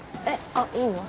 あっいいの？